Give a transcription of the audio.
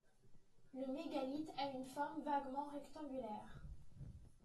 Le mégalithe a une forme vaguement rectangulaire.